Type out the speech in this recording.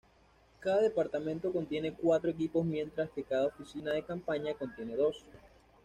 Cada departamento contiene cuatro equipos mientras que cada oficina de campaña contiene dos.